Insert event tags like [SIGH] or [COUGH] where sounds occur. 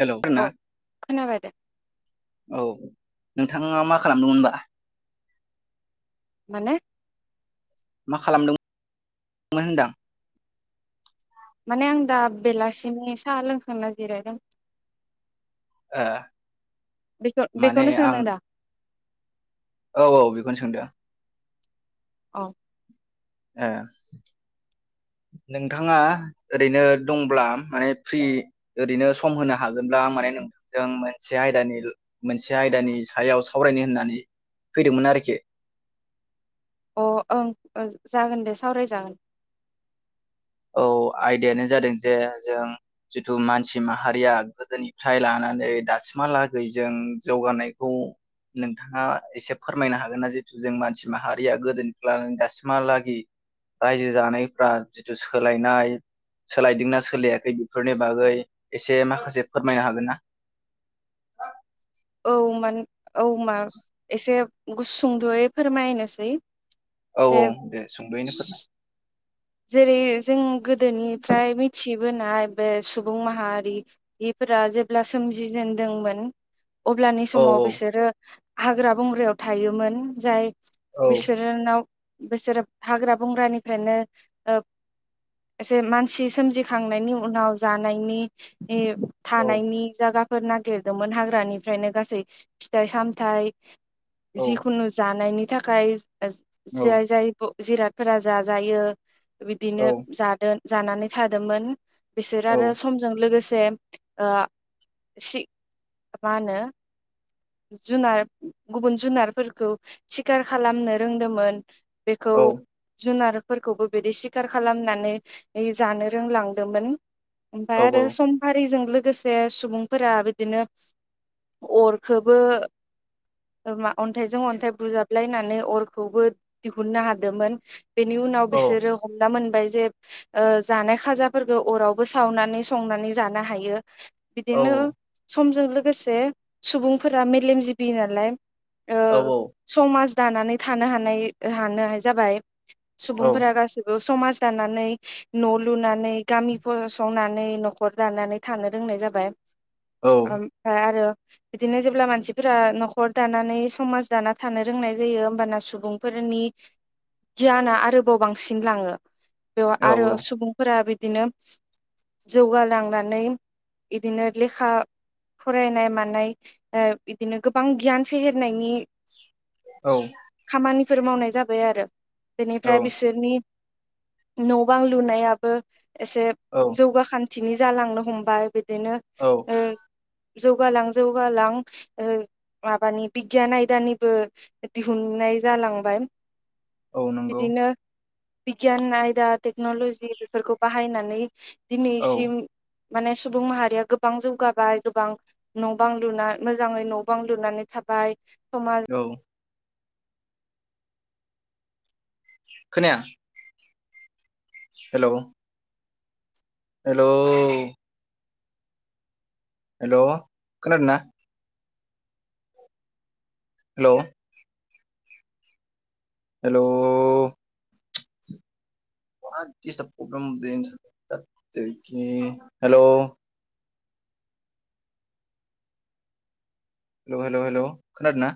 हेल' होनना औ खोनाबाय दे औ। नोंथाङा मा खालामदोंमोन होनबा? माने मा खालामदों होनदां? माने आं दा बेलासिमनि साहा लोंखांना जिरायदों। आ बे बेखौनो सोंदों दा? औ औ बेखौनो सोंदों आ औ। ए नोंथाङा ओरैनो दंब्ला माने फ्रि ओरैनो सम होनो हागोनब्ला माने नोंथांजों मोनसे आयदानि मोनसे आयदानि सायाव सावरायनो होननानै फैदोंमोन आरोखि। अ ओं जागोन दे सावरायजागोन। औ आयदायानो जादों जे जों जिथु मानसि माहारिया गोदोनिफ्राय लानानै दासिमहालागै जों जौगानायखौ नोंथाङा एसे फोरमायनो हागोन ना? जिथु जों मानसि माहारिया गोदोनिफ्राय लानानै दासिमहालागै रायजो जानायफ्रा जिथ सोलायनाय सोलायदोंना सोलायाखै बेफोरनि बागै एसे माखासे फोरमायनो हागोन ना? औ मान औ मा एसे गुसुंद'यै फोरमायनोसै औ जे औ दे सुंद'यैनो फोरनाय जेरै जों गो गोदोनिफ्राय मिथि बोनाय बे सुबुं माहारिफोरा जेब्ला सोमजिजेनदोंमोन अब्लानि औ समाव बिसोरो हाग्रा बंग्रायाव थायोमोन जाय औ बिसोरनाव बोसोरो हाग्रा बंग्रानिफ्रायनो ओ एसे मानसि सोमजिखांनायनि उनाव जानायनि ए औ थानायनि जागा फोर नागिरदोंमोन हाग्रानिफ्रायनो गासै फिथाइ सामथाइ औ जिखुनु जानायनि थाखाय औ जाय जाय जिरादफोरा जाजायो बिदिनो जादों। जानानै थादोंमोन। बिसोर औ आरो समजों लोगोसे जे ओ सि मा होनो? जुनार गुबुन जुनारफोरखौ सिखार खालामनो रोंदोंमोन बेखौ औ जुनार फोरखौबो बिदि सिखार खालामनानै जानो रोंलांदोंमोन औ ओमफाय आरो समफारिजों लोगोसे सुबुंफोरा बिदिनो अर खौबो मा अन्थाइजों अन्थाइ बुजाबलायनानै अरखौबो दिहुननो हादोंमोन। बेनि उनाव औ बिसोरो हमना मोन ओमफ्राय जे ओ जानाय खाजाफोरखौ अरावबो सावनानै संनानै जानो हायो औ बिदिनो समजों लोगोसे सुबुंफोरा मेलेमजिबि नालाय ओ समाज दानानै थानो हानाय हानो जाबाय। सुबुंफोरा गासिबो समाज दानानै न' लुनानै गामि फसंनानै न'खर दानानै थानो रोंनाय जाबाय। औ ओमफाय आरो बिदिनो जेब्ला मानसिफोरा न'खर दानानै समाज दाना थानो रोंनाय जायो होमबाना सुबुंफोरनि गियाना आरोबाव बांसिन लाङो। बेयाव औ आरो औ सुबुंफोरा बिदि बिदिनो जौगालांनानै बिदिनो लेखा फरायनाय मानाय ओ बिदिनो गोबां गियान फेहेरनायनि औ बेफोर मावनाय जाबाय आरो। बेनिफ्राय औ बिसोरनि न' बां लुनायाबो एसे औ जौगाखां पिकनिक जालांनो हमबाय बि बिदिनो औ ओ जौगालां जौगालां ओ माबानि बिगियान आयदानिबो दिहुननाय जालांबाय औ नोंगौ बिदिनो बिगियान आयदा टेक्न'लजि बेफोरखौ बाहायनानै औ दिनसिम माने सुबुं माहारिया गोबां जौगाबाय गोबां न' बां लुना मोजाङै न' बां लुनानै थाबाय समाज। औ खोनाया। हेल'। हेल'। हेल' खनादोंना। हेल'। हेल'। [INAUDIBLE] हेल'। हेल हेल' हेल' खोनादों ना।